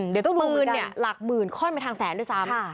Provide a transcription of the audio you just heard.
เดี๋ยวต้องดูเงินเนี่ยหลักหมื่นค่อนไปทางแสนด้วยซ้ำ